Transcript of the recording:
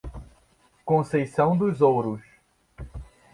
Conceição dos Ouros